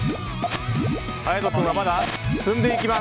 勇人君はまだ積んでいきます。